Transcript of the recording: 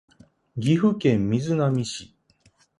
岐阜県瑞浪市